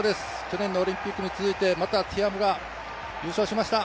去年のオリンピックに続いて、またティアムが優勝しました。